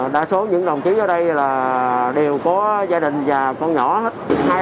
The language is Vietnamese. đa số những đồng chí ở đây là đều có gia đình và con nhỏ hết